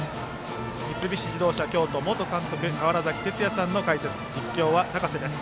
三菱自動車京都元監督の川原崎哲也さんの解説実況は高瀬です。